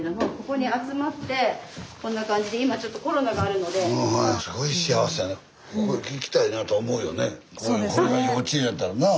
これが幼稚園やったらなあ。